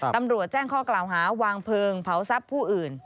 ตำรวจแจ้งข้อกล่าวหาวางเพลิงเผาทรัพย์ผู้อื่น